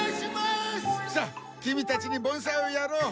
さあキミたちに盆栽をやろう。